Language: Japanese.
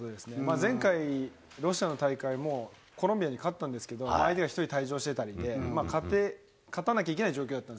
前回、ロシアの大会もコロンビアに勝ったんですけど、相手が１人退場してたりとかで、勝たなきゃいけない状況だったん